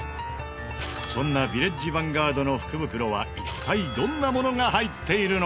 そんなヴィレッジヴァンガードの福袋は一体どんなものが入っているのか？